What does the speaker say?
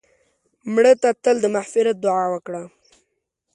مړه ته تل د مغفرت دعا وکړه